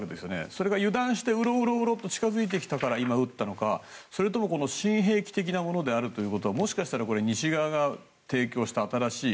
それが油断してうろうろ近づいてきたから今、撃ったのかそれとも新兵器的であるということをもしかしたら西側が提供した新しい。